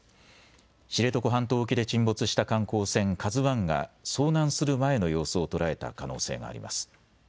知床半島沖で沈没した観光船、ＫＡＺＵＩが遭難する前の様子を捉えた可能性があります。